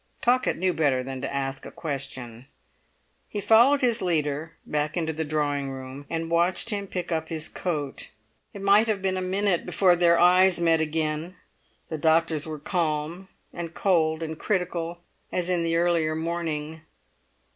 Pocket knew better than to ask a question. He followed his leader back into the drawing room, and watched him pick up his coat. It might have been a minute before their eyes met again; the doctor's were calm and cold and critical as in the earlier morning.